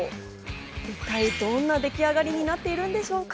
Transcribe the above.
一体どんなでき上がりになっているんでしょうか？